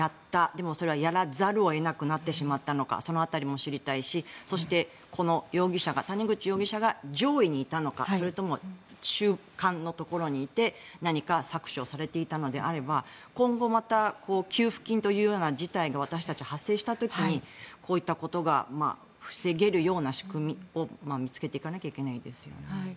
でもそれはやらざるを得なくなってしまったのかその辺りも知りたいしそして、谷口容疑者が上位にいたのかそれとも中間のところにいて何か搾取をされていたのであれば今後また給付金というような事態に私たちが発生した時に、こういったことが防げるような仕組みを見つけていかなきゃいけないですよね。